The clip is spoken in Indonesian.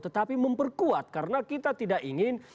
tetapi memperkuat karena kita tidak ingin